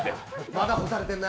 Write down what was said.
まだ干されてんな。